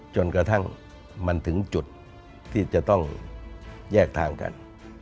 จนกระทั่งมันถึงจุดที่จะต้องแยกทางกัน